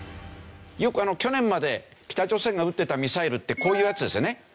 よく去年まで北朝鮮が撃ってたミサイルってこういうやつですよね。